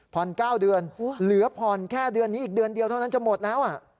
๙เดือนเหลือผ่อนแค่เดือนนี้อีกเดือนเดียวเท่านั้นจะหมดแล้ว